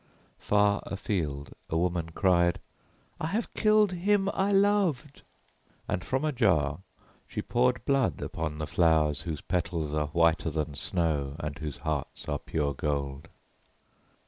Far afield a woman cried, "I have killed him I loved!" and from a jar she poured blood upon the flowers whose petals are whiter than snow and whose hearts are pure gold.